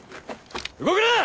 動くな！